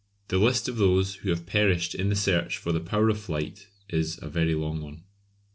The list of those who have perished in the search for the power of flight is a very long one.